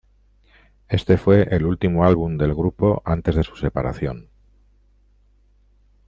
Éste fue el último álbum del grupo antes de su separación.